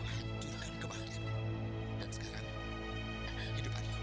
kau sudah disini